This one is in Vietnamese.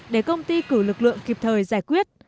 để công ty cử lực lượng kịp thời giải quyết